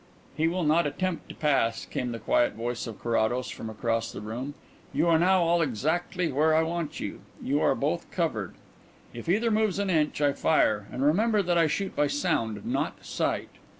"He will not attempt to pass," came the quiet voice of Carrados from across the room. "You are now all exactly where I want you. You are both covered. If either moves an inch, I fire and remember that I shoot by sound, not sight."